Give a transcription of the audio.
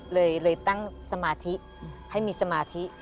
เลยตั้งสมาธิให้มีสมาธิ